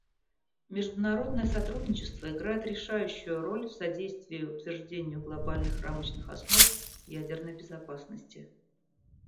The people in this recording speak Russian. Международное сотрудничество играет решающую роль в содействии утверждению глобальных рамочных основ ядерной безопасности.